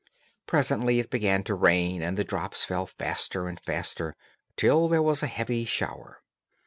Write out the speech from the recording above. Presently it began to rain, and the drops fell faster and faster, till there was a heavy shower.